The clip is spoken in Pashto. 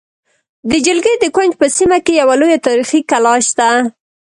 د جلگې د کونج په سیمه کې یوه لویه تاریخې کلا شته